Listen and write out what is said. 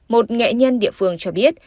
một nghệ nhân địa phương cho biết